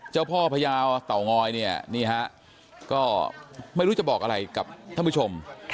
เจ้าพ่อพยาวเตางอยเนี่ยนี่ฮะก็ไม่รู้จะบอกอะไรกับท่านผู้ชม